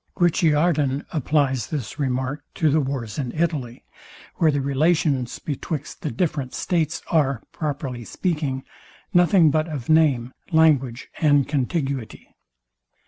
Guicciardin applies this remark to the wars in Italy, where the relations betwixt the different states are, properly speaking, nothing but of name, language, and contiguity.